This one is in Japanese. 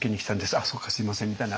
「あっそうかすみません」みたいな